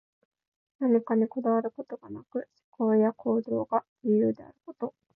何かにこだわることがなく、思考や行動が自由であること。